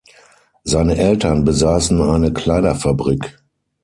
Seine Eltern besassen eine Kleiderfabrik.